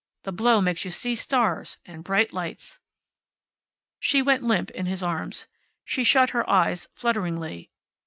The blow makes you see stars, and bright lights " She went limp in his arms. She shut her eyes, flutteringly.